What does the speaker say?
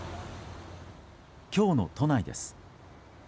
今日の都内です。